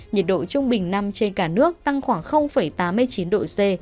nhiệt độ trung bình năm trên cả nước tăng khoảng tám mươi chín độ c